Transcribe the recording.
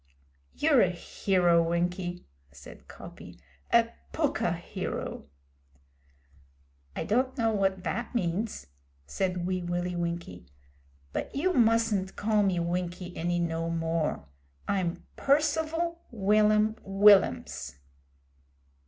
'You're a hero, Winkie,' said Coppy 'a pukka hero!' 'I don't know what vat means,' said Wee Willie Winkie, 'but you mustn't call me Winkie any no more. I'm 'Percival Will'am Will'ams.'